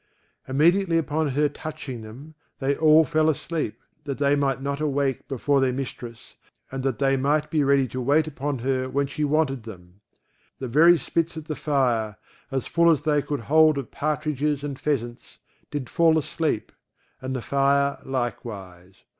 Immediately upon her touching them, they all fell asleep, that they might not awake before their mistress, and that they might be ready to wait upon her when she wanted them. The very spits at the fire, as full as they could hold of partridges and pheasants, did fall asleep, and the fire likewise.